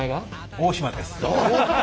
大島です。